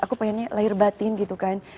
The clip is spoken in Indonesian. aku pengennya lahir batin gitu kan